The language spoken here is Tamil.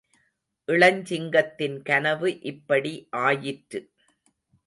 இளஞ்சிங்கத்தின் கனவு இப்படி ஆயிற்று.